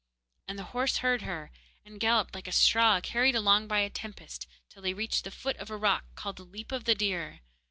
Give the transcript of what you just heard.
And the horse heard her, and galloped like a straw carried along by a tempest till they reached the foot of a rock called the Leap of the Deer.